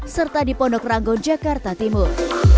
serta di pondok ranggo jakarta timur